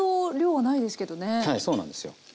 はいそうなんですよ。